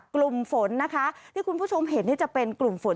กลุ่มฝนนะคะที่คุณผู้ชมเห็นนี่จะเป็นกลุ่มฝน